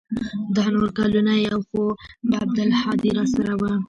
دا نور کلونه يو خو به عبدالهادي راسره و.